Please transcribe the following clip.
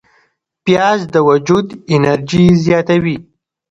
پیاز د وجود انرژي زیاتوي